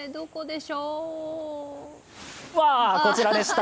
わー、こちらでした。